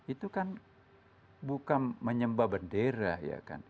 itu kan bukan menyembah bendera ya kan